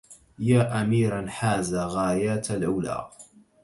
يا أميرا حاز غايات العلى